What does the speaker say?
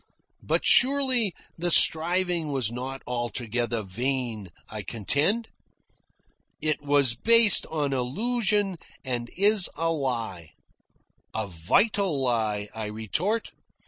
"But surely the striving was not altogether vain," I contend. "It was based on illusion and is a lie." "A vital lie," I retort.